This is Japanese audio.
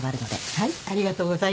はい。